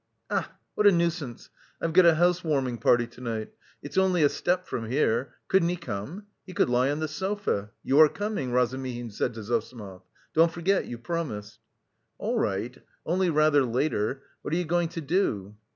"Ach, what a nuisance! I've got a house warming party to night; it's only a step from here. Couldn't he come? He could lie on the sofa. You are coming?" Razumihin said to Zossimov. "Don't forget, you promised." "All right, only rather later. What are you going to do?"